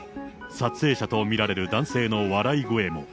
撮影者と見られる男性の笑い声も。